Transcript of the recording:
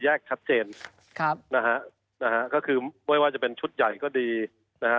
ชัดเจนครับนะฮะนะฮะก็คือไม่ว่าจะเป็นชุดใหญ่ก็ดีนะฮะ